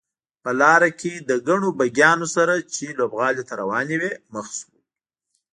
په لاره کې له ګڼو بګیانو سره چې لوبغالي ته روانې وې مخ شوو.